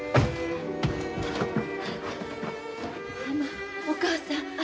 あのお母さん。